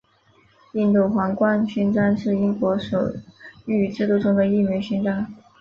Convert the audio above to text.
印度皇冠勋章是英国荣誉制度中的一枚勋章。